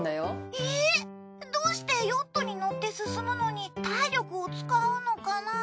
えっ！どうしてヨットに乗って進むのに体力を使うのかな？